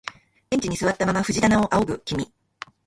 ベンチに座ったまま藤棚を仰ぐ君、